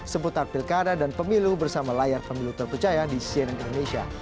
seputar pilkada dan pemilu bersama layar pemilu terpercaya di cnn indonesia